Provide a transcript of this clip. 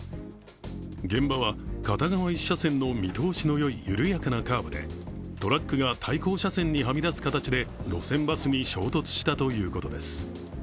現場は片側一車線の見通しのよい緩やかなカーブでトラックが対向車線にはみ出す形で路線バスに衝突したということです。